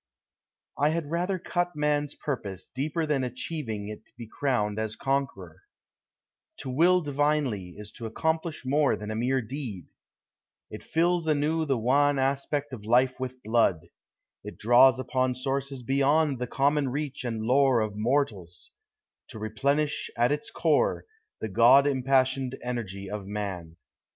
I had rather cut man's purpose deeper than Achieving it be crowned as conqueror; To will divinely is to accomplish more Than a mere deed: it fills anew the wan Aspect of life with blood; it draws upon Sources beyond the common reach and lore Of mortals, to replenish at its core The God impassioned energy of man.